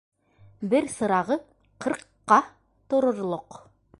БЕР СЫРАҒЫ ҠЫРҠҠА ТОРОРЛОҠ